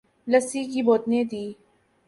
لسی کی بوتلیں دی ۔